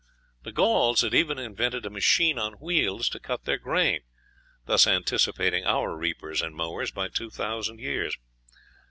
The Gauls had even invented a machine on wheels to cut their grain, thus anticipating our reapers and mowers by two thousand years.